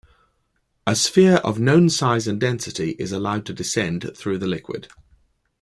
A sphere of known size and density is allowed to descend through the liquid.